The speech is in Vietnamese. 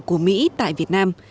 của mỹ tại việt nam